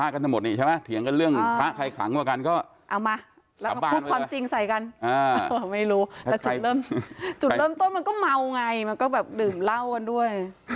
ก็เมาไงมันก็แบบดื่มเหล้ากันด้วย